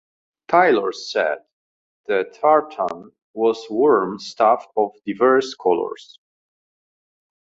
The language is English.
Taylor said the tartan was warm stuff of diverse colours.